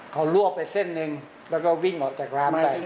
เขาลวกไปเส้นหนึ่งแล้วก็วิ่งออกจากร้านไป